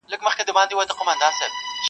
تور او سپین او سره او شنه یې وه رنګونه -